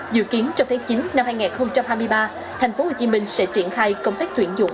dự kiến trong tháng chín năm hai nghìn hai mươi ba tp hcm sẽ triển khai công tác tuyển dụng